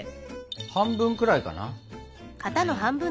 半分くらいかな？